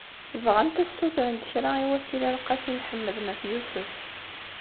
Bɣant ad as-ssutrent kra i Wasila n Qasi Mḥemmed n At Yusef.